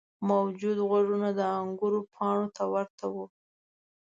موجود غوږونه د انګور پاڼو ته ورته وو.